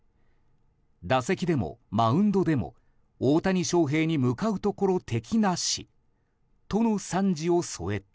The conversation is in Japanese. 打席でもマウンドでも大谷翔平に向かうところ敵なしとの賛辞を添えて。